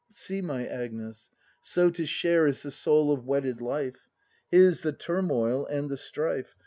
See, my Agnes; so to share Is the soul of wedded life: His, the turmoil and the strife.